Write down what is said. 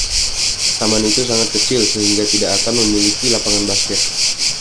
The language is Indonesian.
Taman itu sangat kecil sehingga tidak akan memiliki lapangan basket.